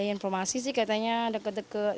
ada informasi sih katanya dekat dekat